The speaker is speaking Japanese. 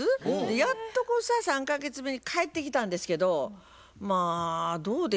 やっとこさ３か月めに帰ってきたんですけどまあどうでしょう